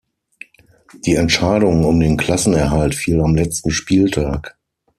Die Entscheidung um den Klassenerhalt fiel am letzten Spieltag.